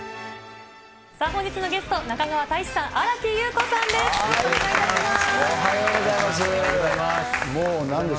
さあ、本日のゲスト、中川大志さん、新木優子さんです。